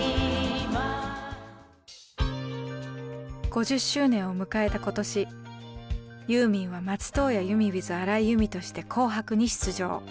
５０周年を迎えた今年ユーミンは松任谷由実ｗｉｔｈ荒井由実として「紅白」に出場。